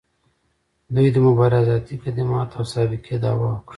دوی د مبارزاتي قدامت او سابقې دعوه وکړي.